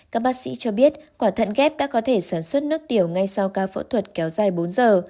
các bác sĩ cho biết quả thận ghép đã có thể sản xuất nước tiểu ngay sau ca phẫu thuật kéo dài bốn giờ